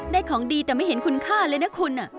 ของดีแต่ไม่เห็นคุณค่าเลยนะคุณ